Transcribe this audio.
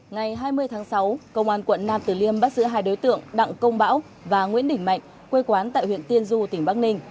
ngày hai mươi tháng sáu công an quận nam tử liêm bắt giữ hai đối tượng đặng công bão và nguyễn đình mạnh quê quán tại huyện tiên du tỉnh bắc ninh